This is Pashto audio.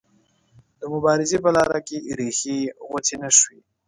د مبارزې په لاره کې ریښې یې غوڅې نه شوې.